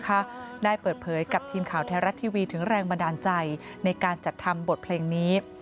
ได้เปิดเผยกับทีมข่าวไทยรัฐทีวีถึงแรงบันดาลใจในการจัดทำบทเพลงนี้